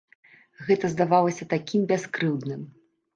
Гэта здавалася такім бяскрыўдным.